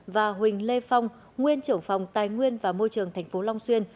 và huỳnh lê phong nguyên trưởng phòng tài nguyên và môi trường tp long xuyên